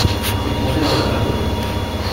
Est-il tombé dans le panneau!